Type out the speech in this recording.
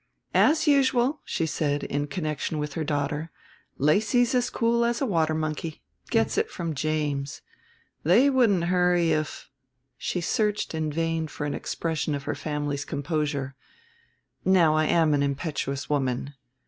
"As usual," she said, in connection with her daughter, "Lacy's as cool as a water monkey; gets it from James; they wouldn't hurry if " She searched in vain for an expression of her family's composure. "Now I am an impetuous woman."